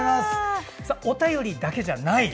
お便りだけじゃない。